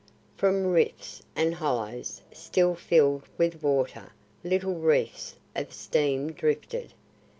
From rifts and hollows still filled with water little wreaths of steam drifted.